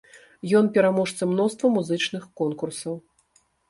Ён пераможца мноства музычных конкурсаў.